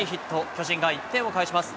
巨人が１点を返します。